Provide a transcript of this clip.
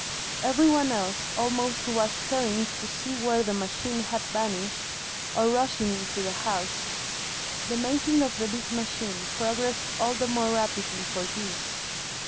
Every one else almost was staring to see where the machine had vanished, or rushing into the house. The making of the big machine progressed all the more rapidly for this.